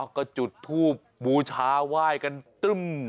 อ้าวก็จุดทูบหมูชาไหว้กันตึ้ม